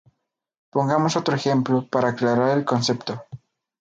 Pongamos otro ejemplo para aclarar el concepto.